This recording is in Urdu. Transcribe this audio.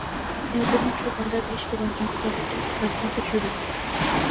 نیوزی لینڈ اور بنگلہ دیش کے درمیان پہلا ٹیسٹ پرسوں سے شروع ہوگا